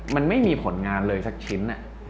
มันไม่มีผลงานเลยสักชิ้น